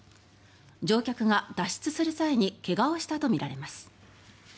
乗客が脱出する際に怪我をしたとみられます。